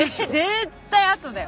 絶対あとだよ！